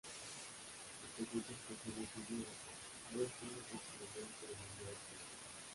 Setecientas personas vivían dentro en su momento de mayor esplendor.